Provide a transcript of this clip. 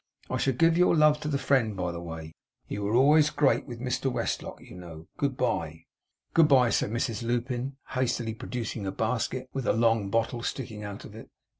I shall give your love to the friend, by the way. You were always great with Mr Westlock, you know. Good bye!' 'Good bye!' said Mrs Lupin, hastily producing a basket with a long bottle sticking out of it.